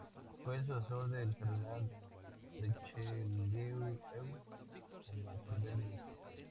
Fue el sucesor del cardenal Richelieu como primer ministro.